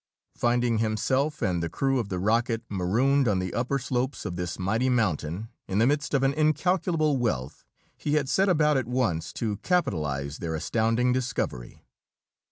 Finding himself and the crew of the rocket marooned on the upper slopes of this mighty mountain, in the midst of an incalculable wealth, he had set about at once to capitalize their astounding discovery.